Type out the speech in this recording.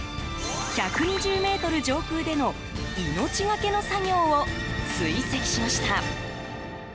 １２０ｍ上空での命懸けの作業を追跡しました。